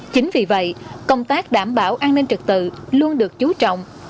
chính vì vậy công tác đảm bảo an ninh trật tự luôn được chú trọng